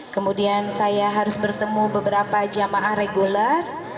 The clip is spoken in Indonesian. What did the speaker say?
kemudian saya harus bertemu beberapa jamaah reguler